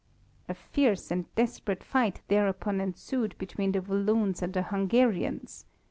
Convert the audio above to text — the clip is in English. A fierce and desperate fight thereupon ensued between the Walloons and the Hungarians.